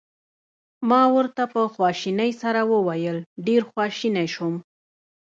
ما ورته په خواشینۍ سره وویل: ډېر خواشینی شوم.